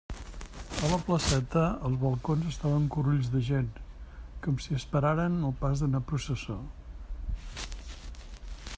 A la placeta, els balcons estaven curulls de gent, com si esperaren el pas d'una processó.